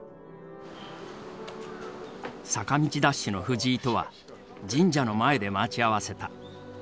坂道ダッシュの藤井とは神社の前で待ち合わせた。